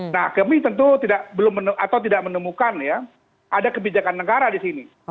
nah kami tentu belum atau tidak menemukan ya ada kebijakan negara di sini